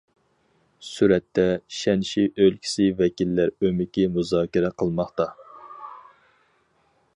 سۈرەتتە: شەنشى ئۆلكىسى ۋەكىللەر ئۆمىكى مۇزاكىرە قىلماقتا.